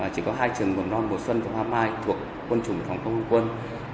chỉ có hai trường hồn non bồ xuân và hoa mai thuộc quân chủng phòng không không quân